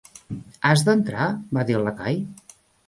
"Has d'entrar?" Va dir el lacai.